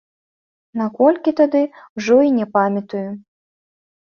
На колькі тады, ужо і не памятаю.